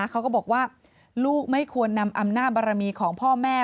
เขาก็บอกว่าลูกไม่ควรนำอำนาจบารมีของพ่อแม่